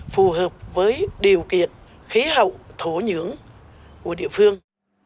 phù hợp với điều kiện khí hậu thố nhưỡng của địa phương